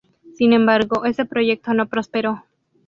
Sin embargo, este proyecto no prosperó.